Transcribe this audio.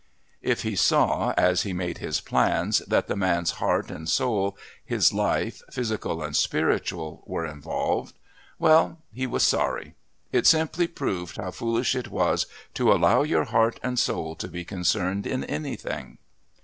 If he saw, as he made his plans, that the man's heart and soul, his life, physical and spiritual, were involved well he was sorry. It simply proved how foolish it was to allow your heart and soul to be concerned in anything.